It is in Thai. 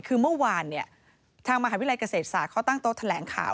คือเมื่อวานทางมหาวิทยาลัยเกษตรศาสตร์เขาตั้งโต๊ะแถลงข่าว